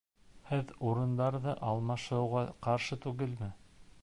Һеҙ урындарҙы алмашыуға ҡаршы түгелме?